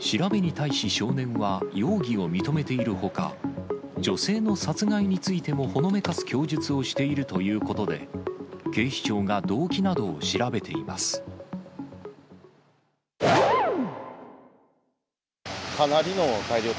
調べに対し、少年は容疑を認めているほか、女性の殺害についてもほのめかす供述をしているということで、かなりの大漁。